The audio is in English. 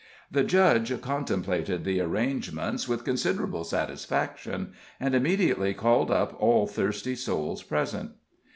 The judge contemplated the arrangements with considerable satisfaction, and immediately called up all thirsty souls present.